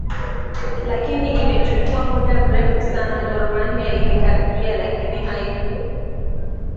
lakini imechukuwa muda mrefu sana gormahia ilikaribia lakini haiku